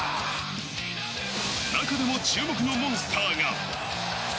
中でも注目のモンスターが。